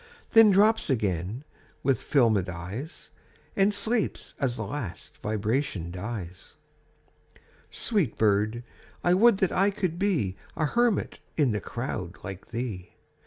Then drops again with fdmed eyes, And sleeps as the last vibration dies. a (89) Sweet bird ! I would that I could be A hermit in the crowd like thee